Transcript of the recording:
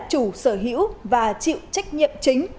chủ sở hữu và chịu trách nhiệm chính